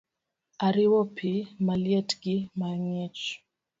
Ariwo pi maliet gi mang’ich